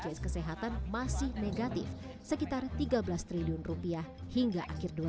kondisi kesehatan masih negatif sekitar rp tiga belas triliun hingga akhir dua ribu sembilan belas